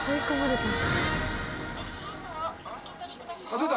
出た。